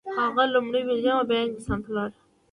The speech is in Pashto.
هغه لومړی بلجیم او بیا انګلستان ته ولاړ.